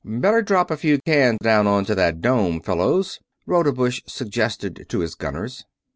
"Better drop a few cans down onto that dome, fellows," Rodebush suggested to his gunners.